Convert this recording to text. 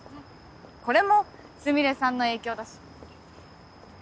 これもスミレさんの影響だし。